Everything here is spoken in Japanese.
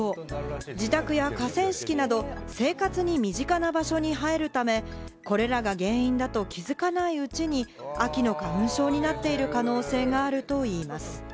自宅や河川敷など、生活に身近な場所に生えるため、これらが原因だと気づかないうちに秋の花粉症になっている可能性があるといいます。